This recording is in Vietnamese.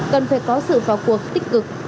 cần phải có sự vào cuộc tích cực